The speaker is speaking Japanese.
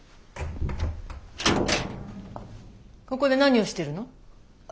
ここで何をしてるの？